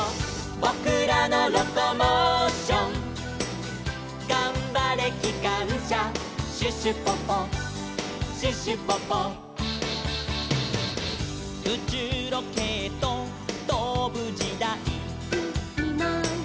「ぼくらのロコモーション」「がんばれきかんしゃ」「シュシュポポシュシュポポ」「うちゅうロケットとぶじだい」